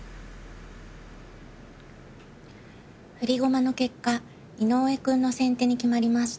振り駒の結果井上くんの先手に決まりました。